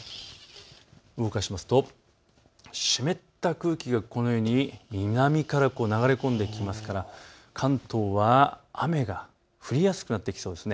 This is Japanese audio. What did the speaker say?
動かしますと湿った空気が南から流れ込んできますから関東は雨が降りやすくなってきそうです。